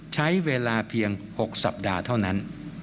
ใช้เวลาเพียง๖สัปดาห์เท่านั้น